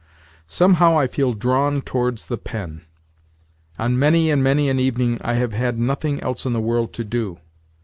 Somehow I feel drawn towards the pen; on many and many an evening I have had nothing else in the world to do.